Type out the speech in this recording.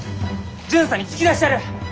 巡査に突き出しちゃる！